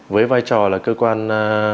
với vai trò là cơ quan